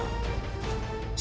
nima saudara santang